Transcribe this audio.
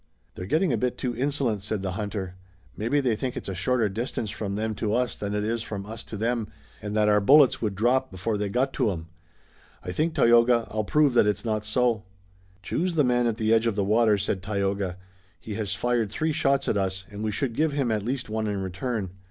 "They're getting a bit too insolent," said the hunter. "Maybe they think it's a shorter distance from them to us than it is from us to them, and that our bullets would drop before they got to 'em. I think, Tayoga, I'll prove that it's not so." "Choose the man at the edge of the water," said Tayoga. "He has fired three shots at us, and we should give him at least one in return."